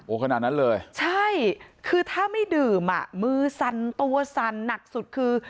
ขนาดนั้นเลยใช่คือถ้าไม่ดื่มอ่ะมือสั่นตัวสั่นหนักสุดคือ